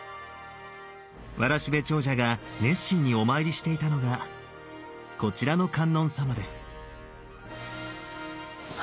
わらしべ長者が熱心にお参りしていたのがこちらの観音様です。